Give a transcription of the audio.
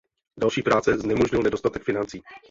Další práce znemožnil nedostatek financí.